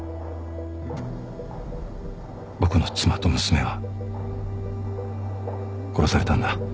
僕の妻と娘は殺されたんだ。